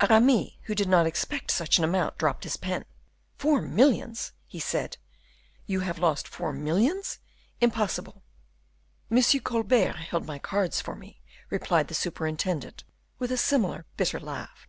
Aramis, who did not expect such an amount, dropped his pen. "Four millions," he said; "you have lost four millions, impossible!" "Monsieur Colbert held my cards for me," replied the superintendent, with a similar bitter laugh.